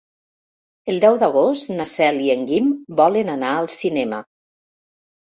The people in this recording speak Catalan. El deu d'agost na Cel i en Guim volen anar al cinema.